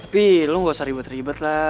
pih lo gak usah ribet ribet lah